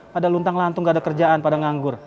pada luntang lantung gak ada kerjaan pada nganggur